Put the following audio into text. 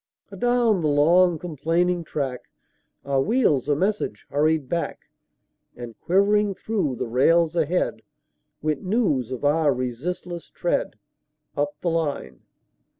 Adown the long, complaining track, Our wheels a message hurried back; And quivering through the rails ahead, Went news of our resistless tread, Up the line.